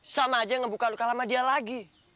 sama aja ngebuka luka lama dia lagi